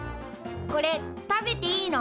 これ食べていいの？